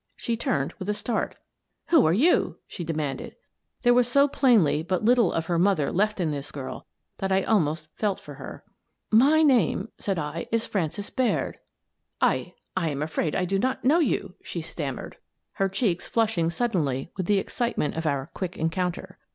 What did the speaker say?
She turned with a start " Who are you ?" she demanded. There was so plainly but little of her mother left in this girl that I almost felt for her. " My name," said I, " is Frances Baird." "I — I am afraid I do not know you," she stam 212 Miss Frances Baird, Detective mered, her cheeks flushing suddenly with the ex citement of our quick encounter.